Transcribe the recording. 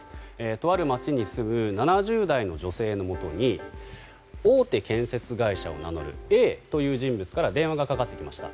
とある町に住む７０代の女性のもとに大手建設会社を名乗るＡという人物から電話がかかってきました。